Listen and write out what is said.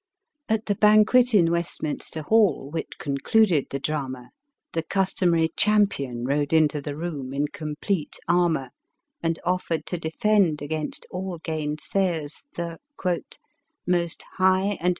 At the banquet in Westminster hall, which concluded the drama, the customary champion rode into the room, in complete armor, and offered to defend against all gainsayers the "most high and 808 ELIZABETH OP ENGLAND.